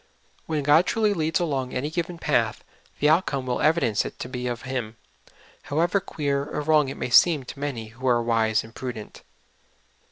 When God trul}^ leads along any given l)ath, the outcome will evidence it to be of Him, how 84 SOUIv FOOD. ever queer or wrong it may seem to many who are wise and prudent.